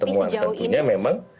temuan temuan tentunya memang